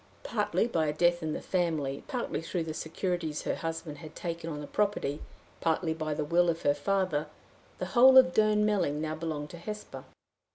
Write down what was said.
Partly by a death in the family, partly through the securities her husband had taken on the property, partly by the will of her father, the whole of Durnmelling now belonged to Hesper.